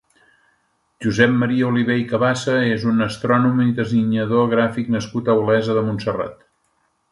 Josep Maria Oliver i Cabasa és un astrònom i dissenyador gràfic nascut a Olesa de Montserrat.